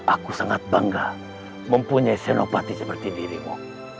aku sangat bangga mempunyai senopati seperti dirimu